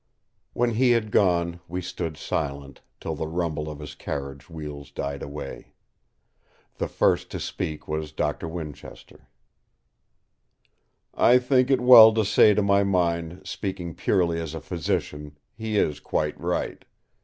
When he had gone we stood silent, till the rumble of his carriage wheels died away. The first to speak was Doctor Winchester: "I think it well to say that to my mind, speaking purely as a physician, he is quite right.